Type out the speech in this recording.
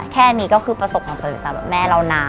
แค่นี้ก็คือประสบความสำเร็จสำหรับแม่เรานะ